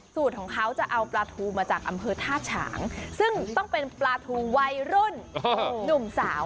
สูตรของเขาจะเอาปลาทูมาจากอำเภอท่าฉางซึ่งต้องเป็นปลาทูวัยรุ่นหนุ่มสาว